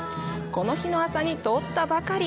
この日の朝に取ったばかり。